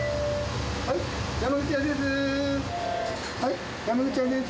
はい、山口屋です。